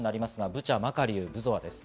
ブチャ、マカリウ、ブゾワです。